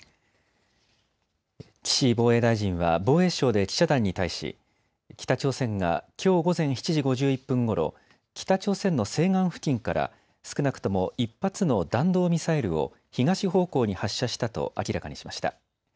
岸防衛大臣は防衛省で記者団に対し北朝鮮がきょう午前７時５１分ごろ北朝鮮の西岸付近から少なくとも１発の弾道ミサイルを東方向に発射したと明らかにしました。